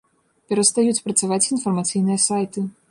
Перастаюць працаваць інфармацыйныя сайты.